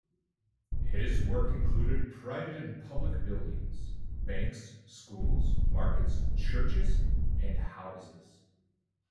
His work included private and public buildings: banks, schools, markets, churches and houses.